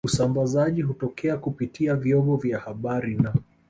Usambazaji hutokea kupitia vyombo vya habari na